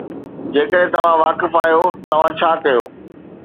جيڪڏهن توهان واقف آهيو، توهان ڇا ڪيو؟